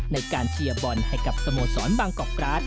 ในการเชียร์บอลให้กับสโมสรบางกอกกราศ